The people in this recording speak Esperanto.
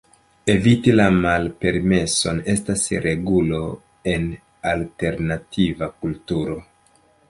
Eviti la malpermeson estas regulo en alternativa kulturo.